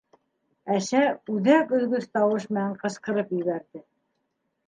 Әсә үҙәк өҙгөс тауыш менән ҡысҡырып ебәрҙе.